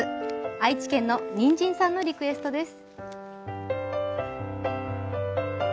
愛知県のにんじんさんのリクエストです。